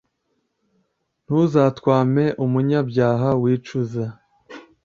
Ntuzatwame umunyabyaha wicuza,